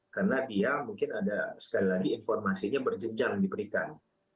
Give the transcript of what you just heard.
karena dia mungkin ada sekali lagi informasinya berjenjang diberikan